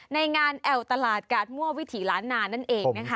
ในงานแอวตลาดกาดมั่ววิถีล้านนานั่นเองนะคะ